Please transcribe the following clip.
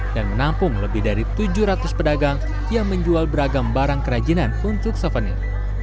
dan menampung lebih dari tujuh ratus pedagang yang menjual beragam barang kerajinan untuk souvenir